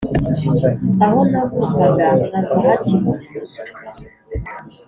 aho navukaga mpava hakibona